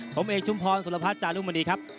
ผมเอกชุมพรสุรพจารุมพุนตรีครับ